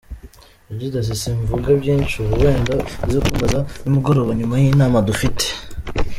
Yagize ati “Simvuga byinshi ubu, wenda uze kumbaza nimugoroba nyuma y’inama dufite.